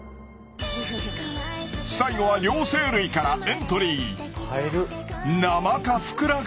最後は両生類からエントリー！